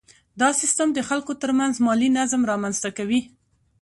دا سیستم د خلکو ترمنځ مالي نظم رامنځته کوي.